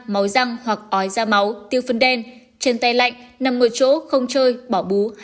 máu răng hoặc ói da máu tiêu phân đen trên tay lạnh nằm một chỗ không chơi bỏ bú hay bỏ ăn uống